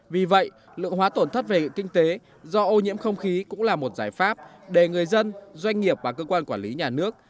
vì vậy lượng hóa tổn thất về kinh tế do ô nhiễm không khí cũng là một giải pháp để người dân doanh nghiệp và cơ quan quản lý nhà nước